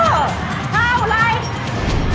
ลองดูที่จะได้เท่าไรวันนี้ครับ